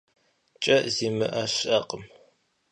КӀэ зимыӀэ щыӀэкъым.